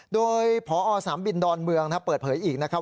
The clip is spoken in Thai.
โดยพอสนามบินดอนเมืองเปิดเผยอีกนะครับ